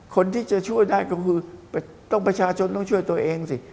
คนที่จะช่วยได้ก็คือต้องประชาชนต้องช่วยตัวเองสิ